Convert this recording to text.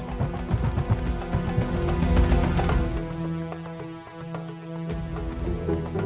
makanya belajar ngaji di masjid mumpung masih hidup